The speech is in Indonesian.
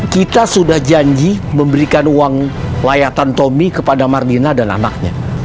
kita sudah janji memberikan uang layakan tommy kepada mardina dan anaknya